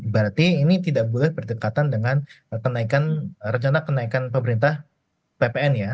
berarti ini tidak boleh berdekatan dengan kenaikan rencana kenaikan pemerintah ppn ya